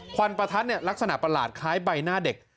วันประทัดลักษณะประหลาดคล้ายใบหน้าเด็ก